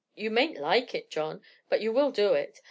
"You mayn't like it, John, but you will do it.